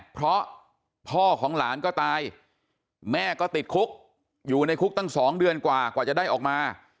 เพราะพ่อของหลานก็ตายแม่ก็ติดคุกอยู่ในคุกตั้ง๒เดือนกว่ากว่าจะได้ออกมา